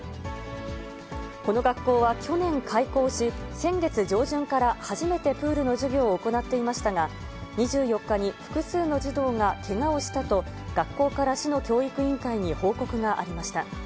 この学校は去年開校し、先月上旬から初めてプールの授業を行っていましたが、２４日に複数の児童がけがをしたと、学校から市の教育委員会に報告がありました。